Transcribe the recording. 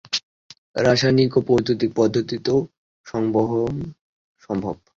রাসায়নিক বা বৈদ্যুতিক পদ্ধতিতেও সংবহন সম্ভব।